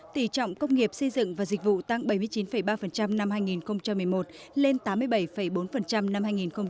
tỉ trọng công nghiệp xây dựng và dịch vụ tăng bảy mươi chín ba năm hai nghìn một mươi một lên tám mươi bảy bốn năm hai nghìn một mươi chín